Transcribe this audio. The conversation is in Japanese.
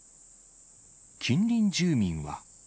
近隣住民は。